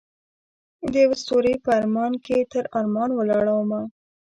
دیوه ستوری په ارمان کې تر ارمان ولاړمه